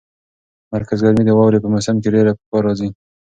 مرکز ګرمي د واورې په موسم کې ډېره په کار راځي.